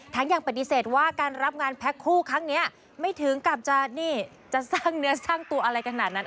ยังปฏิเสธว่าการรับงานแพ็คคู่ครั้งนี้ไม่ถึงกับจะนี่จะสร้างเนื้อสร้างตัวอะไรขนาดนั้น